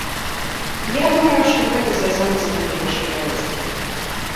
Я думаю, што гэта звязана з мэтай нашай паездкі.